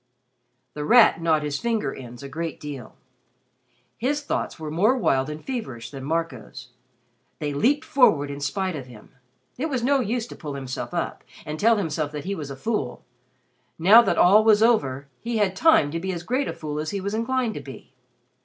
The Rat gnawed his finger ends a great deal. His thoughts were more wild and feverish than Marco's. They leaped forward in spite of him. It was no use to pull himself up and tell himself that he was a fool. Now that all was over, he had time to be as great a fool as he was inclined to be.